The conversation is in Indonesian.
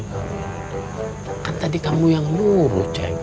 kan tadi kamu yang nuru cek